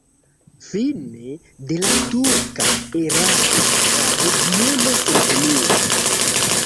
Fine de la turka erao la regiono senhomiĝis.